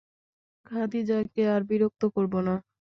খাদিজাকে আর বিরক্ত করব না।